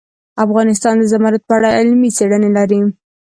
افغانستان د زمرد په اړه علمي څېړنې لري.